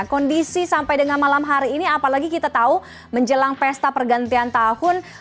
kondisi sampai dengan malam hari ini apalagi kita tahu menjelang pesta pergantian tahun